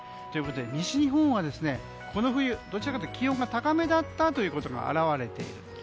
ということで西日本はこの冬、どちらかというと気温が高めだったということが表れている。